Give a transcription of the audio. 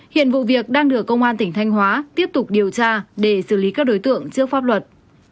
hiện vụ việc đang được công an tỉnh thanh hóa tiếp tục điều tra để xử lý các đối tượng trước pháp luật